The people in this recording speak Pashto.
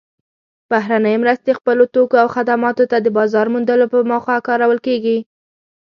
بهرنۍ مرستې خپلو توکو او خدماتو ته د بازار موندلو په موخه کارول کیږي.